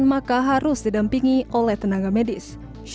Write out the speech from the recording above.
maka harus didampingi oleh tenaga medis